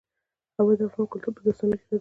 هوا د افغان کلتور په داستانونو کې راځي.